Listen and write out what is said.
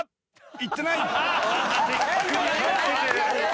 いってない。